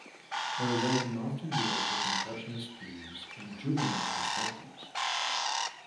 Her writing often deals with impressionist themes and juvenile perspectives.